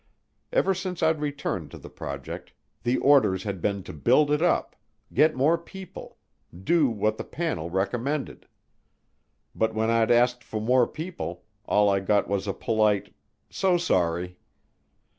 Ever since I'd returned to the project, the orders had been to build it up get more people do what the panel recommended. But when I'd asked for more people, all I got was a polite "So sorry."